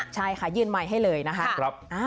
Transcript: ใช่ค่ะยื่นไมค์ให้เลยนะคะ